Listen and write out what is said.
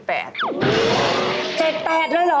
๘เลยเหรอ